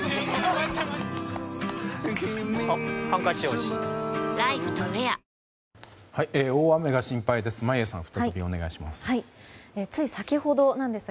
大雨が心配です。